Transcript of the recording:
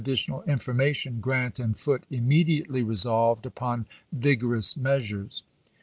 ditional information, Grrant and Foote immediately resolved upon vigorous measures.